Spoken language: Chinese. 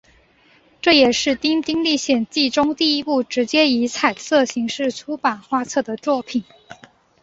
这也是丁丁历险记中第一部直接以彩色形式出版画册的作品。